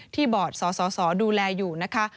ที่บอสสสดูแลอยู่นะคะ